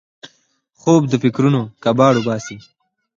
خوب د فکرونو کباړ وباسي